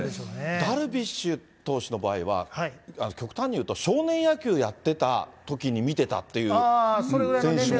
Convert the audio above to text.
ダルビッシュ投手の場合は、極端に言うと少年野球やってたときに見てたっていう選手も。